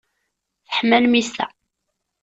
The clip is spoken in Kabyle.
Teḥma lmissa.